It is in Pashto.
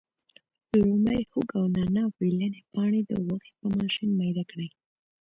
لومړی هوګه او نانا ویلني پاڼې د غوښې په ماشین میده کړي.